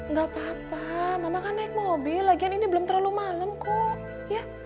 gak apa apa mama kan naik mobil lagi ini belum terlalu malem kok